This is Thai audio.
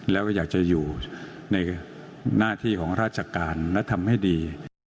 แล้วก็อยากจะอยู่ในหน้าที่ของราชการและทำให้ดี